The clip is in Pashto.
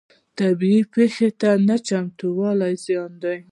طبیعي پیښو ته نه چمتووالی زیان دی.